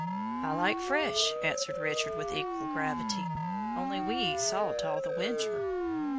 "I like fresh," answered Richard, with equal gravity, "only we eat salt all the winter."